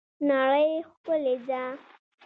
نړۍ ښکلې ده